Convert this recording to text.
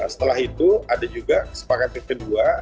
setelah itu ada juga kesepakatan kedua